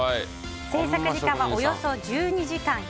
制作時間はおよそ１２時間。